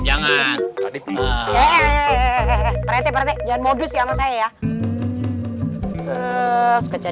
jangan modus ya